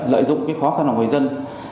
lợi dụng cái khó khăn của người dân